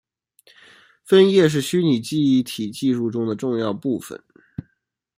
分页是虚拟记忆体技术中的重要部份。